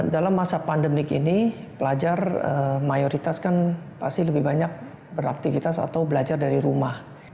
dalam masa pandemik ini pelajar mayoritas kan pasti lebih banyak beraktivitas atau belajar dari rumah